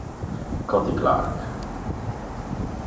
Coty Clarke